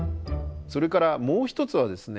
それからもう一つはですね